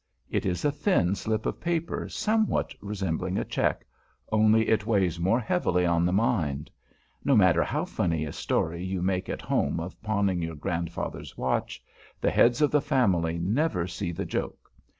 It is a thin slip of paper somewhat resembling a check; only it weighs more heavily on the mind. No matter how funny a story you make at home of pawning your Grandfather's watch, the heads of the family never see the joke.